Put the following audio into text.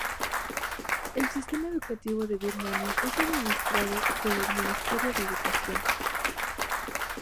El sistema educativo de Birmania es administrado por el Ministerio de Educación.